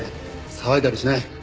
騒いだりしない。